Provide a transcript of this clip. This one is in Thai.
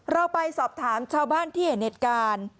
เราไปสอบถามชาวบ้านที่เห็นเหตุการณ์